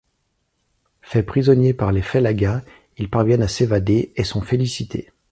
Faits prisonniers par les Fellaghas, ils parviennent à s'évader et sont félicités.